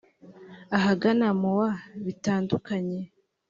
ahagana mu wa Bitandukanye